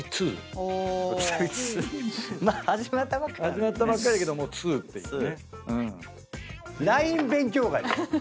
始まったばっかりだけどもう２っていうね。